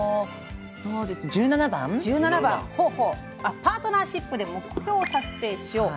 「パートナーシップで目標を達成しよう」。